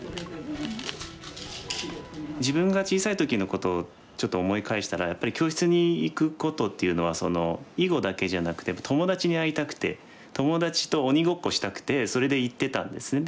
自分が小さい時のことをちょっと思い返したらやっぱり教室に行くことっていうのは囲碁だけじゃなくて友達に会いたくて友達と鬼ごっこしたくてそれで行ってたんですね。